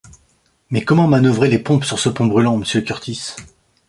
Mais comment manœuvrer les pompes sur ce pont brûlant, monsieur Kurtis?